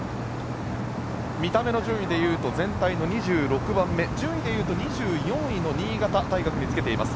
見た目の順位でいうと全体の２６番目順位でいうと２４位の新潟大学につけています。